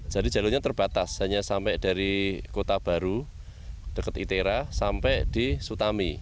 jadi jalurnya terbatas hanya sampai dari kota baru dekat itera sampai di sutami